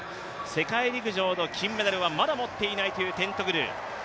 世界陸上の金メダルはまだ持っていないというテントグル。